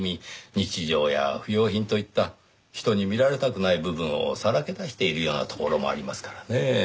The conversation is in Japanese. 日常や不用品といった人に見られたくない部分をさらけ出しているようなところもありますからねぇ。